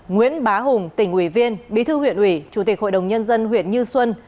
nguyễn bá hùng tỉnh uỷ viên bí thư huyện uỷ chủ tịch hội đồng nhân dân huyện như xuân